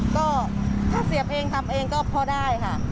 ก็ถ้าเสียบเองทำเองก็พอได้ค่ะ